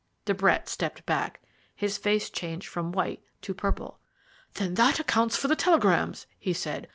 De Brett stepped back: his face changed from white to purple. "Then that accounts for the telegrams," he said.